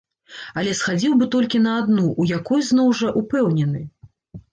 Але схадзіў бы толькі на адну, у якой, зноў, жа упэўнены!